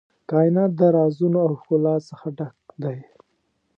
کائنات د رازونو او ښکلا څخه ډک دی.